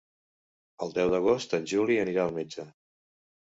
El deu d'agost en Juli anirà al metge.